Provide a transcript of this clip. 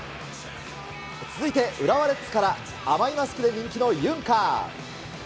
続いて浦和レッズから、甘いマスクで人気のユンカー。